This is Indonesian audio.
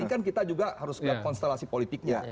ini kan kita juga harus melihat konstelasi politiknya